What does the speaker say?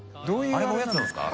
あれがおやつなんですか？